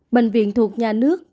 bệnh viện thuộc nhà nước